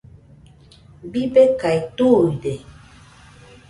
Bibekae tuide.